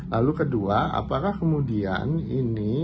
lalu kedua apakah kemudian ini